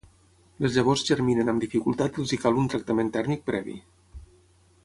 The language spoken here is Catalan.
Les llavors germinen amb dificultat i els hi cal un tractament tèrmic previ.